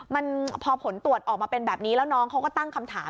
มันพอผลตรวจออกมาเป็นแบบนี้แล้วน้องเขาก็ตั้งคำถาม